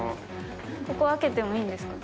ここ開けていいんですか？